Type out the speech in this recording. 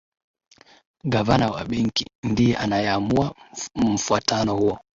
gavana wa benki ndiye anayeamua mfuatano huo